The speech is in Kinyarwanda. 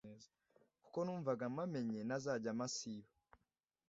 kuko numvaga mpamenye ntazajya mpasiba.